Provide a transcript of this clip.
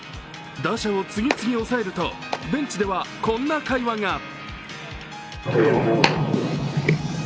打者を次々抑えるとベンチではこんな会話が。